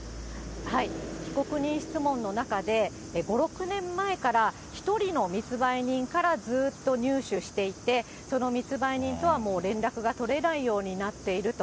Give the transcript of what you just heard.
被告人質問の中で、５、６年前から、１人の密売人からずっと入手していて、その密売人とはもう連絡が取れないようになっていると。